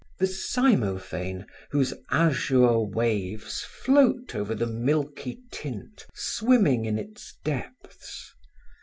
The cymophane, whose azure waves float over the milky tint swimming in its depths.